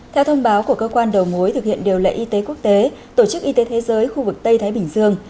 theo thông báo của cơ quan đầu mối thực hiện điều lệ y tế quốc tế tổ chức y tế thế giới khu vực tây thái bình dương